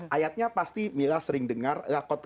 ayatnya pasti mila sering dengar